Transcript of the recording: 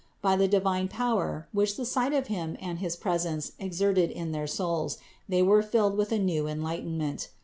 By the divine power, which the sight of Him and his presence exerted in their souls, they were filled with new enlight enment.